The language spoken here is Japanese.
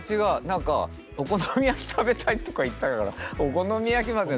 何か「お好み焼き食べたい」とか言ったからお好み焼きまで。